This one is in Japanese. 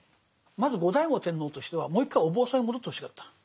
まず後醍醐天皇としてはもう一回お坊さんに戻ってほしかった。